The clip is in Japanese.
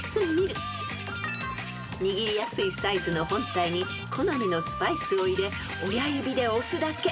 ［握りやすいサイズの本体に好みのスパイスを入れ親指で押すだけ］